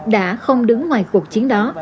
đã không đứng ngoài cuộc chiến đó